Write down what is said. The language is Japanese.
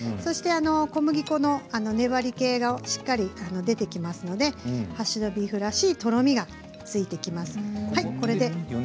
小麦粉の粘り気がしっかり出てきますのでハッシュドビーフらしいとろみがついてきます。